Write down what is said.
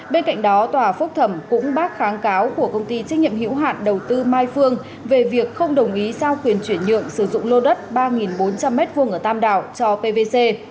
bên cạnh đó tòa phúc thẩm cũng bác kháng cáo của công ty trách nhiệm hữu hạn đầu tư mai phương về việc không đồng ý giao quyền chuyển nhượng sử dụng lô đất ba bốn trăm linh m hai ở tam đảo cho pvc